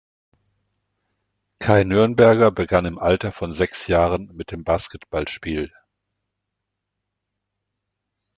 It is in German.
Kai Nürnberger begann im Alter von sechs Jahren mit dem Basketballspiel.